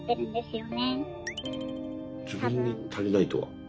自分に足りないとは？